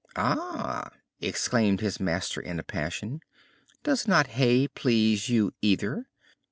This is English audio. "Ah!" exclaimed his master in a passion. "Does not hay please you either?